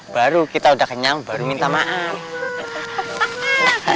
baru kita udah kenyang baru minta maaf